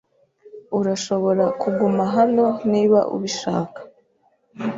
Urashobora kuguma hano niba ubishaka.